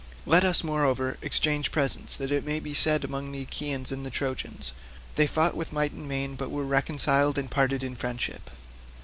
Let us, moreover, exchange presents that it may be said among the Achaeans and Trojans, 'They fought with might and main, but were reconciled and parted in friendship.